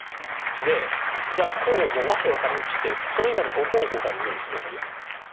でじゃあここをもう訳分からんくしてそれ以外の５方向から見るようにするようになるやん。